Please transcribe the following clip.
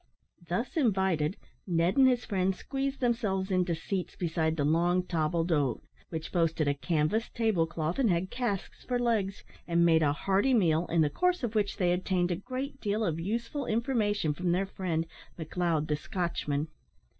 Thus invited, Ned and his friends squeezed themselves into seats beside the long table d'hote which boasted a canvas table cloth, and had casks for legs and made a hearty meal, in the course of which they obtained a great deal of useful information from their friend McLeod the Scotchman.